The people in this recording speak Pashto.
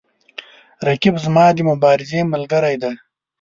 رقیب زما د مبارزې ملګری دی